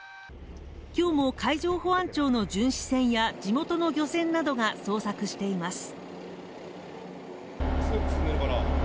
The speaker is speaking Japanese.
今日も海上保安庁の巡視船や地元の漁船などが捜索しています